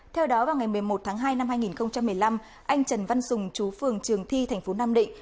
theo đó vào ngày một mươi một tháng hai năm hai nghìn một mươi năm anh trần văn sùng trú phường trường thi thành phố nam định